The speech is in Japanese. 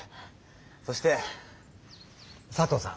そして佐藤さん。